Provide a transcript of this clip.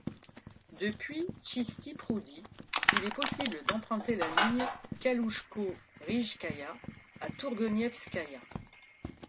Depuis Tchistye proudy, il est possible d'emprunter la ligne Kaloujsko-Rijskaïa à Tourguenievskaïa.